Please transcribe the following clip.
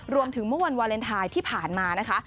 เมื่อวันวาเลนไทยที่ผ่านมานะคะ